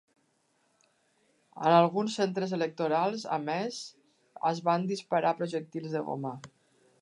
En alguns centres electorals, a més, es van disparar projectils de goma.